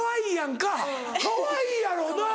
かわいいやろなぁ！